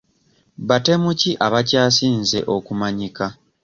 Batemu ki abakyasinze okumanyika?